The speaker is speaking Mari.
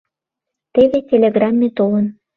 Теве телеграмме толын.